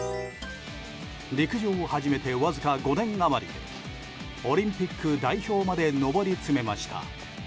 陸上を始めてわずか５年余りオリンピック代表まで上り詰めました。